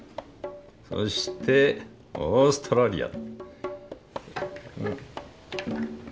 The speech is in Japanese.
そしてオーストラリア。